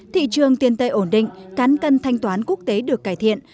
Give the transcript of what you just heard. thị trường tiền tệ ổn định cán cân thanh toán quốc tế được cải thiện